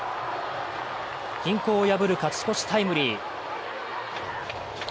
均衡を破る勝ち越しタイムリー。